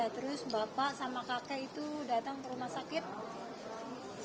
terus bapak sama kakek itu datang ke rumah sakit